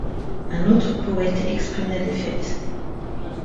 Un autre poète exprime la défaite.